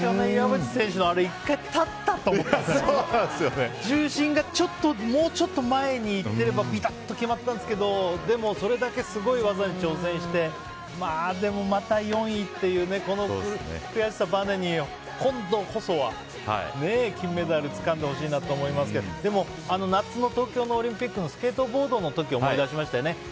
岩渕選手は１回立ったと思ったんですが重心がもうちょっと前にいってればビタッと決まったんですけどすごい技に挑戦してまた４位というこの悔しさをばねに今度こそは、金メダルつかんでほしいなと思いますけどでも、夏の東京のオリンピックのスケートボードの時を思い出しましたよね。